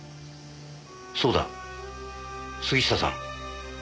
そうだ杉下さん。